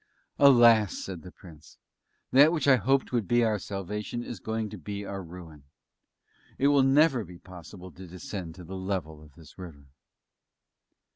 "Alas!" said the Prince; "that which I hoped would be our salvation is going to be our ruin! It will never be possible to descend to the level of this river."